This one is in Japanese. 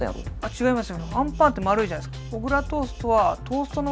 違います。